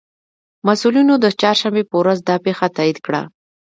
مسئولینو د چهارشنبې په ورځ دا پېښه تائید کړه